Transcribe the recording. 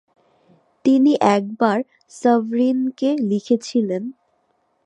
তিনি একবার সাভরিনকে লিখেছিলেনঃ